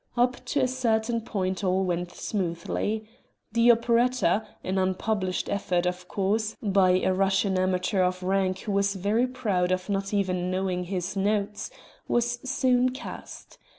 Up to a certain point all went smoothly. The operetta an unpublished effort of course by a Russian amateur of rank who was very proud of not even knowing his notes, was soon cast.